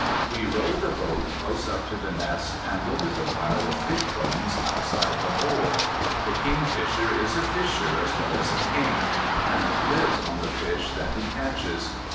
We row the boat close up to the nest, and look at the pile of fishbones outside the hole. The Kingfisher is a fisher as well as a king, and lives on the fish that he catches.